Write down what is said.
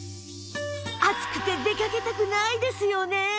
暑くて出かけたくないですよね